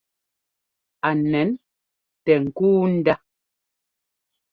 A nɛn tɛ ŋ́kúu ndá.